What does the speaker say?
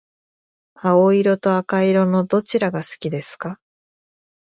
青色と赤色のどちらが好きですか？